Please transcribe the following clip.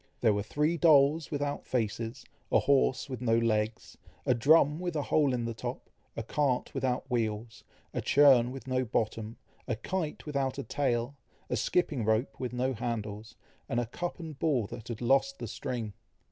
There were three dolls without faces, a horse with no legs, a drum with a hole in the top, a cart without wheels, a churn with no bottom, a kite without a tale, a skipping rope with no handles, and a cup and ball that had lost the string.